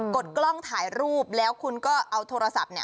ดกล้องถ่ายรูปแล้วคุณก็เอาโทรศัพท์